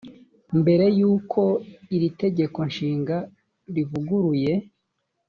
mbere y uko iri tegeko nshinga rivuguruye